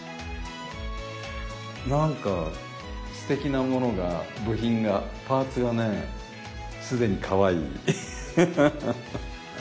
何かすてきなものが部品がパーツがね既にかわいい。